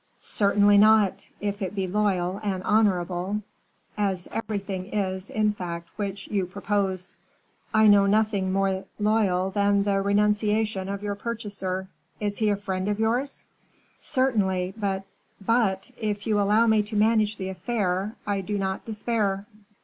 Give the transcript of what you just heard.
"Certainly not, if it be loyal and honorable; as everything is, in fact, which you propose." "I know nothing more loyal than the renunciation of your purchaser. Is he a friend of yours?" "Certainly: but " "'But!' if you allow me to manage the affair, I do not despair."